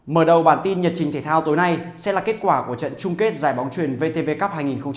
mở đầu bản tin nhật trình thể thao tối nay sẽ là kết quả của trận chung kết giải bóng truyền vtv cup hai nghìn một mươi chín